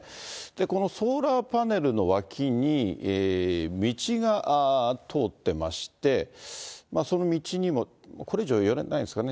このソーラーパネルの脇に、道が通ってまして、その道にも、これ以上寄れないんですかね。